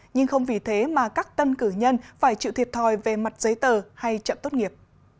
nhưng không vì thế mà các tân cử nhân phải chịu thiệt thòi về mặt giấy tờ hay chậm tốt nghiệp